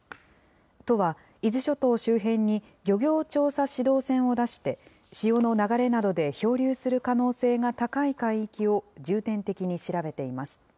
都は伊豆諸島周辺に漁業調査指導船を出して、潮の流れなどで漂流する可能性が高い海域を重点的に調べています。